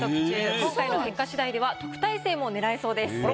今回の結果しだいでは特待生も狙えそうです。